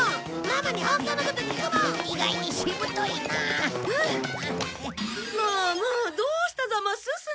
まあまあどうしたざます？